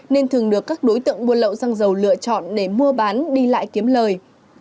nên thường được các đối tượng buôn lậu xăng dầu lựa chọn để mua bán đi lại kiếm lời